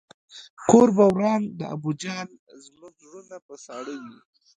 کور به وران د ابوجهل زموږ زړونه په ساړه وي